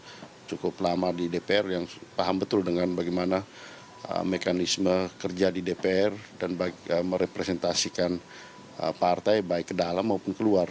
saya cukup lama di dpr yang paham betul dengan bagaimana mekanisme kerja di dpr dan merepresentasikan partai baik ke dalam maupun keluar